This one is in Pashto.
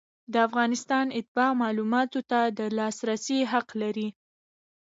د افغانستان اتباع معلوماتو ته د لاسرسي حق لري.